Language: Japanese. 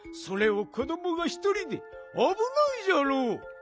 それを子どもがひとりであぶないじゃろう。